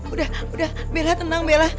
udah udah bella tenang bella